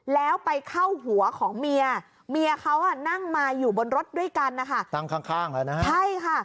แล้วไปเข้าหัวของเมียเมียเขานั่งมาอยู่บนรถด้วยกันนะคะตั้งข้างค่ะใช่ค่ะ